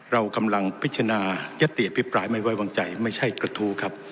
เรากำลังพิจารณายติอภิปรายไม่ไว้วางใจไม่ใช่กระทู้ครับ